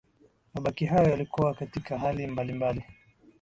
mabaki hayo yalikuwa katika hali mbalimbali